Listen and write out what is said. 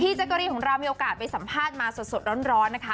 แจ๊กกะรีของเรามีโอกาสไปสัมภาษณ์มาสดร้อนนะคะ